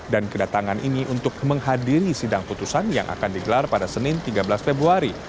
dan kedatangan ini untuk menghadiri sidang putusan yang akan digelar pada senin tiga belas februari